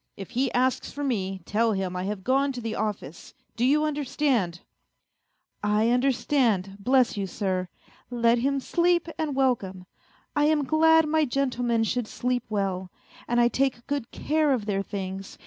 If he asks for me, tell him I have gone to the office do you understand ?"" I understand, bless you, sir; let him sleep and welcome ! I am glad my gentlemen should sleep well, and I take good care of their things.